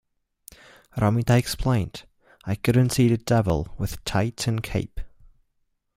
Romita explained, I couldn't see the Devil with tights and a cape.